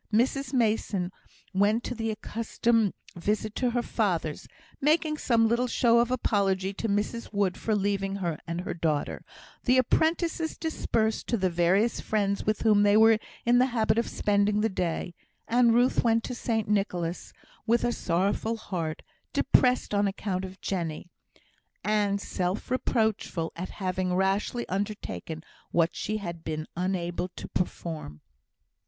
Mrs Mason went the accustomed visit to her father's, making some little show of apology to Mrs Wood for leaving her and her daughter; the apprentices dispersed to the various friends with whom they were in the habit of spending the day; and Ruth went to St Nicholas', with a sorrowful heart, depressed on account of Jenny, and self reproachful at having rashly undertaken what she had been unable to perform.